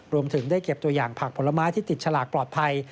รวมถึงได้เก็บตัวอย่างผักผลไม้ที่ติดฉลากปลอดภัย